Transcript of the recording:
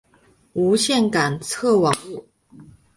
无线感测网路。